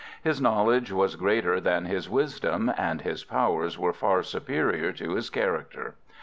His knowledge was greater than his wisdom, and his powers were far superior to his character.